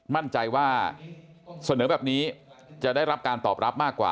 มั่นใจว่าเสนอแบบนี้จะได้รับการตอบรับมากกว่า